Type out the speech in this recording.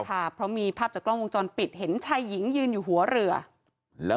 ค่ะเพราะมีภาพจากกล้องวงจรปิดเห็นชายหญิงยืนอยู่หัวเรือแล้ว